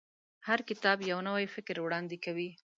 هر کتاب یو نوی فکر وړاندې کوي.